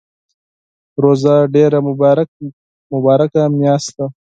روژه ډیره مبارکه میاشت ده